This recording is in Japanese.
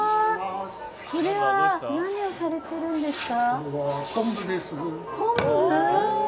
これは何をされてるんですか？